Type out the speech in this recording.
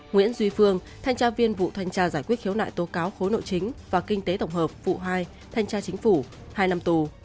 nguyễn duy phương thanh tra viên vụ thanh tra giải quyết khiếu nại tố cáo khối nội chính và kinh tế tổng hợp vụ hai thanh tra chính phủ hai năm tù